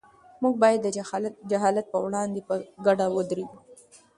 موږ باید د جهالت پر وړاندې په ګډه ودرېږو.